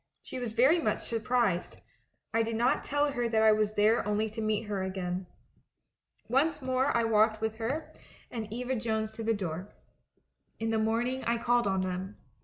She was very much surprised; I did not tell her that I was there only to meet her again. Once more I walked with her and Eva 192 THE MAN WHO UNDERSTOOD WOMEN Jones to their door. In the morning I called on them.